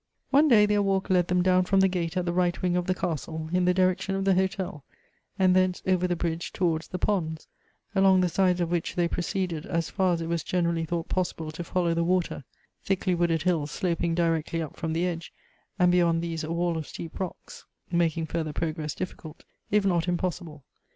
One day their walk led them down from the gate at the right wing of the castle, in the direction of the hotel, and thence over the bridge towards the ponds, along the sides of which they proceeded as far as it was generally thought possible to follow the water; thickly wooded hills sloping directly up from the edge, and beyond these a wall of steep rocks, making further progress diflScult, if not imposfilble.